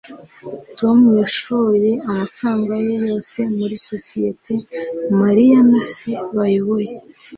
tom yashoye amafaranga ye yose muri sosiyete mariya na se bayoboye